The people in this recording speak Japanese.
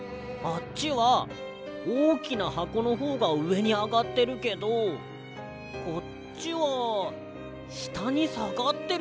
あっちはおおきなはこのほうがうえにあがってるけどこっちはしたにさがってるぞ。